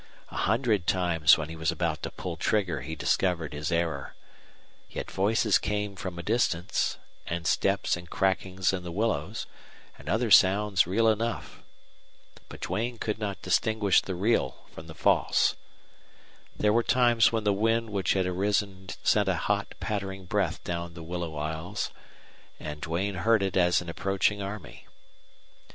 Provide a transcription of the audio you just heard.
A hundred times when he was about to pull trigger he discovered his error. Yet voices came from a distance, and steps and crackings in the willows, and other sounds real enough. But Duane could not distinguish the real from the false. There were times when the wind which had arisen sent a hot, pattering breath down the willow aisles, and Duane heard it as an approaching army.